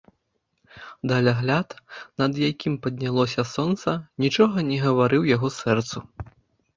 Далягляд, над якім паднялося сонца, нічога не гаварыў яго сэрцу.